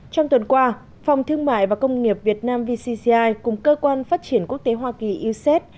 trong tuần qua phòng thương mại và công nghiệp việt nam vcci cùng cơ quan phát triển quốc tế hoa kỳ uced